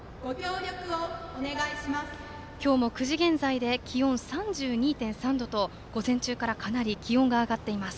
今日も９時現在で気温３２．３度と午前中からかなり気温が上がっています。